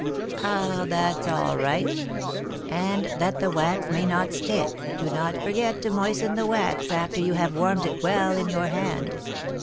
"Ah, that's all right; and, that the wax may not stick, do not forget to moisten the wax after you have warmed it well in your hand."